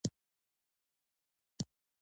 د کائنات اندازه نه ده معلومه.